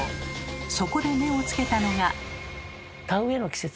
そこで目をつけたのが。